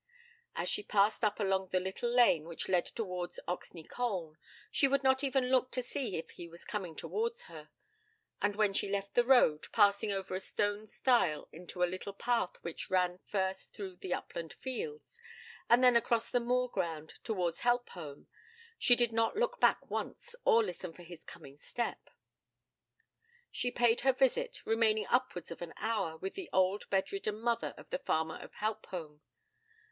As she passed up along the little lane which led towards Oxney Colne she would not even look to see if he was coming towards her; and when she left the road, passing over a stone stile into a little path which ran first through the upland fields, and then across the moor ground towards Helpholme, she did not look back once, or listen for his coming step. She paid her visit, remaining upwards of an hour with the old bedridden mother of the farmer of Helpholme.